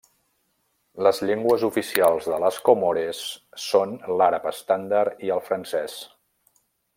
Les llengües oficials de les Comores són l'àrab estàndard i el francès.